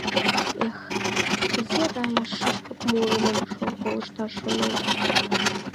Эх, кузе Рая шӱшпык мурымым колышташ шонен!